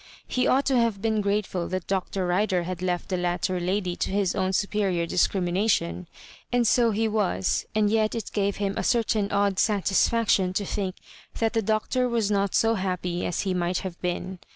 He ought to have been grateful that Dr. Ridei had left the latter lady to his own superior dis crimination — and so he was; and yet it gave him a certam odd satisfaction to think that the Doctot was not so happy as he might have been.